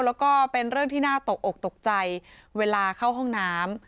แล้วก็เป็นเรื่องที่น่าตกอกตกใจเวลาเข้าห้องน้ำ